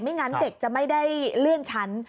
งั้นเด็กจะไม่ได้เลื่อนชั้น